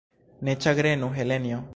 Ne ĉagrenu, Helenjo!